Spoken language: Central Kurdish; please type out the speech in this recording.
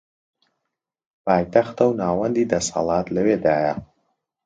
پایتەختە و ناوەندی دەسەڵات لەوێدایە